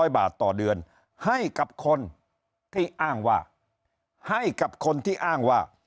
๓๗๓๐๐บาทต่อเดือนให้กับคนที่อ้างว่า